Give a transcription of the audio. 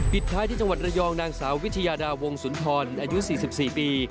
ท้ายที่จังหวัดระยองนางสาววิทยาดาวงสุนทรอายุ๔๔ปี